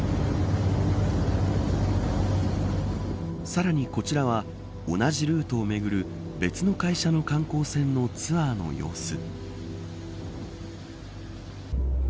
さらにこちらは同じルートを巡る別の会社の観光船のツアーの様子。